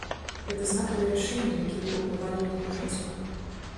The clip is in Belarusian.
Гэта знакавыя рашэнні, якія паўплывалі на яго жыццё.